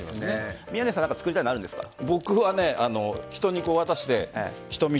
宮根さん作りたくなるんですかね。